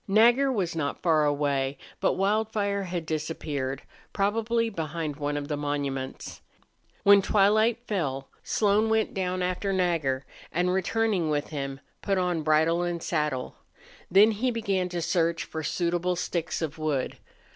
Nagger was not far away, but Wildfire had disappeared, probably behind one of the monuments. When twilight fell Slone went down after Nagger and, returning with him, put on bridle and saddle. Then he began to search for suitable sticks of wood.